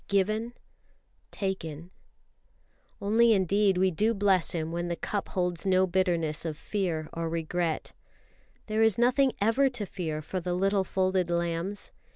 "Given ... Taken ..." Only indeed we do bless Him when the cup holds no bitterness of fear or of regret. There is nothing ever to fear for the little folded lambs.